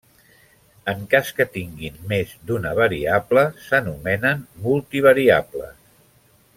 En cas que tinguin més d'una variable s'anomenen multivariables.